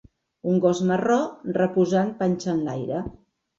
Un gos marró reposant panxa enlaire.